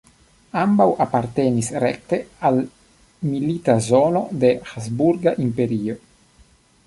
Ambaŭ apartenis rekte al milita zono de Habsburga Imperio.